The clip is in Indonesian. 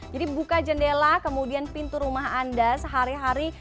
jadi buka jendela kemudian pintu rumah anda sehari hari